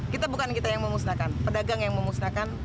kita bukan kita yang memusnahkan pedagang yang memusnahkan